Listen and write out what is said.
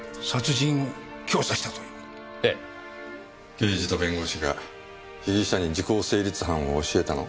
刑事と弁護士が被疑者に時効成立犯を教えたの？